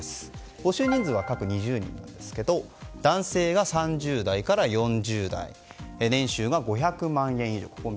募集人数は各２０人ですが男性が３０代から４０代年収が５００万円以上。